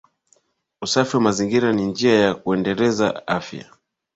Usafi wa mazingira ni njia ya kuendeleza afya